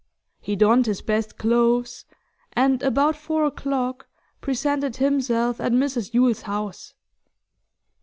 He donned his best clothes, and about four o'clock presented himself at Mrs Yule's house.